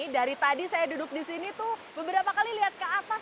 dari tadi saya duduk di sini tuh beberapa kali lihat ke atas